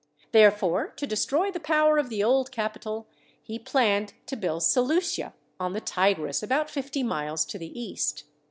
Therefore, to destroy the power of the old capital, he planned to build Seleucia on the Tigris about fifty miles to the east.